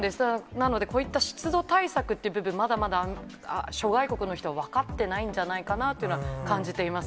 なので、こういった湿度対策っていう部分、まだまだ、諸外国の人は分かってないんじゃないかなというのは、感じています。